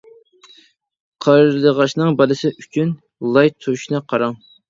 قارلىغاچنىڭ بالىسى ئۈچۈن لاي توشۇشنى قاراڭ!